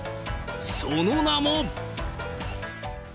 その名も。